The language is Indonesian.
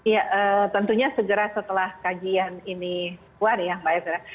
ya tentunya segera setelah kajian ini keluar ya